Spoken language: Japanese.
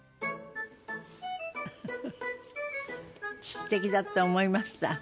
すてきだと思いました。